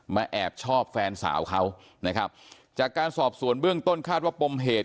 แอบชอบแฟนสาวเขานะครับจากการสอบสวนเบื้องต้นคาดว่าปมเหตุ